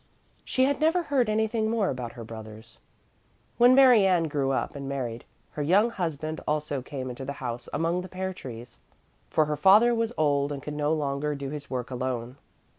She had never heard anything more about her brothers. When Mary Ann grew up and married, her young husband also came into the house among the pear trees, for her father was old and could no longer do his work alone.